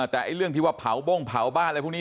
แต่เรื่องที่ว่าเผาโบ้งเผาบ้านอะไรพวกนี้